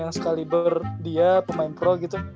yang sekali berdia pemain pro gitu